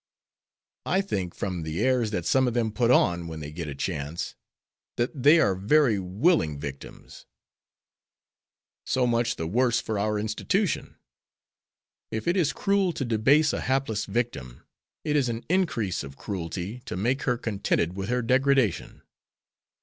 "I think from the airs that some of them put on when they get a chance, that they are very willing victims." "So much the worse for our institution. If it is cruel to debase a hapless victim, it is an increase of cruelty to make her contented with her degradation.